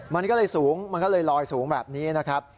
มันก็เลยสูงมันก็เลยลอยสูงแบบนี้นะครับ